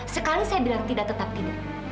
sekali saya bilang tidak tetap tidak